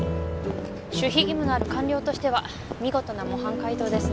守秘義務のある官僚としては見事な模範解答ですね